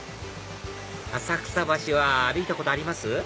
浅草橋は歩いたことあります？